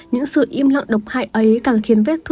những sự im lặng độc hại ấy càng khiến vệ sinh khó khăn